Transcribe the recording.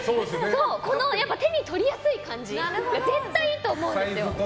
この手に取りやすい感じが絶対いいと思うんですよ。